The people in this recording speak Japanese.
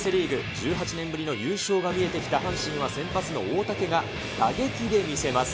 １８年ぶりの優勝が見えてきた阪神は、先発の大竹が打撃で見せます。